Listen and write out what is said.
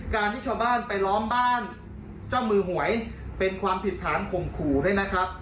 การที่ชาวบ้านไปล้อมบ้านเจ้ามือหวยเป็นความผิดฐานข่มขู่ด้วยนะครับ